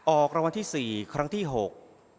ออกรางวัลที่สี่ครั้งที่หก